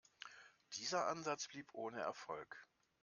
Dieser Ansatz blieb ohne Erfolg.